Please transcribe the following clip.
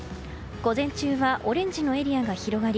午前中はオレンジのエリアが広がり